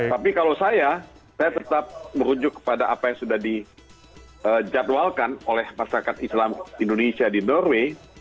tapi kalau saya saya tetap merujuk kepada apa yang sudah dijadwalkan oleh masyarakat islam indonesia di norway